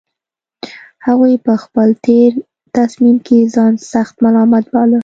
هغوی په خپل تېر تصميم کې ځان سخت ملامت باله